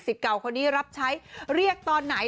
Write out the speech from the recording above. เก่าคนนี้รับใช้เรียกตอนไหน